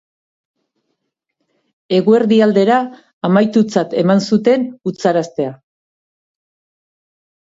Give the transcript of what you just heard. Eguerdi aldera, amaitutzat eman zuten utzaraztea.